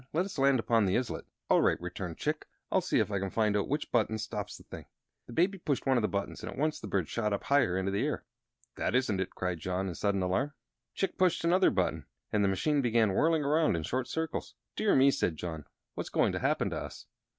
"Let us land upon the islet." "All right," returned Chick. "I'll see if I can find out which button stops the thing." The Baby pushed one of the buttons, and at once the bird shot up higher into the air. "That isn't it!" cried John, in sudden alarm. Chick pushed another button, and the machine began whirling around in short circles. "Dear me!" said John; "what's going to happen to us?"